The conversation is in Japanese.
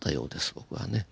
僕はね。